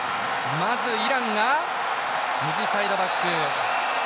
まず、イランが右サイドバック。